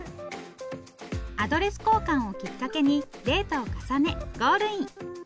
アドレス交換をきっかけにデートを重ねゴールイン。